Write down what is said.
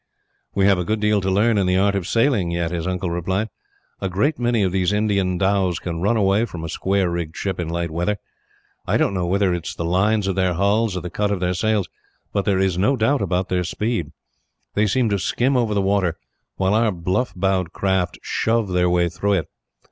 "We have a good deal to learn in the art of sailing, yet," his uncle replied. "A great many of these Indian dhows can run away from a square rigged ship, in light weather. I don't know whether it is the lines of their hulls or the cut of the sails, but there is no doubt about their speed. They seem to skim over the water, while our bluff bowed craft shove their way through it.